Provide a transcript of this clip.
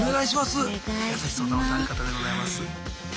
優しそうなお三方でございます。